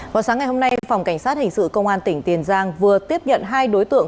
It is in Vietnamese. vào sáng ngày hôm nay phòng cảnh sát hình sự công an tỉnh tiền giang vừa tiếp nhận hai đối tượng